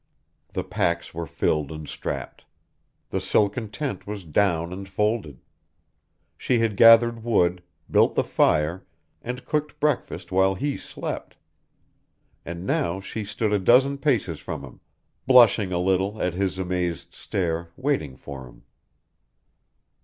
The packs were filled and strapped. The silken tent was down and folded. She had gathered wood, built the fire, and cooked breakfast while he slept. And now she stood a dozen paces from him, blushing a little at his amazed stare, waiting for him.